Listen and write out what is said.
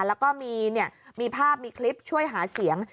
แล้วก็มีภาพมีคลิปช่วยหาเสียง